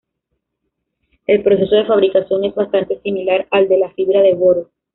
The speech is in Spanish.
El proceso de fabricación es bastante similar al de la fibra de boro.